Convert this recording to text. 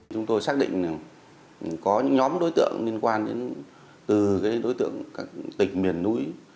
chúng tôi xác định có những nhóm đối tượng liên quan đến từ đối tượng tỉnh miền núi